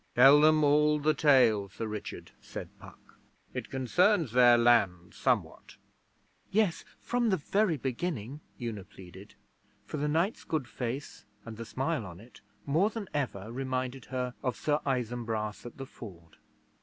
'Tell them all the tale, Sir Richard,' said Puck. 'It concerns their land somewhat.' 'Yes, from the very beginning,' Una pleaded, for the knight's good face and the smile on it more than ever reminded her of 'Sir Isumbras at the Ford'.